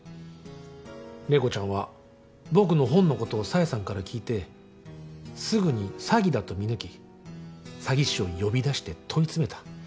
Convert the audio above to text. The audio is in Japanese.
麗子ちゃんは僕の本のことを紗英さんから聞いてすぐに詐欺だと見抜き詐欺師を呼び出して問い詰めた。